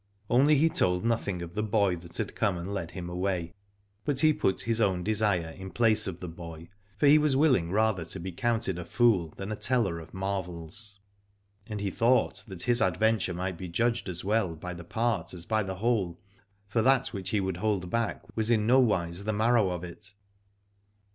Only he told nothing of the boy that had come and led him away: but he put his own desire in place of the boy, for he was willing rather to be counted a fool than a teller of marvels. And he thought that his adventure might be judged as well by the part as by the whole, for that which he would hold back was in no wise the marrow of it.